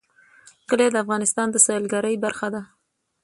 کلي د افغانستان د سیلګرۍ برخه ده.